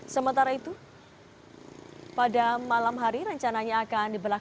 sementara itu pada malam hari rencananya akan diberlakukan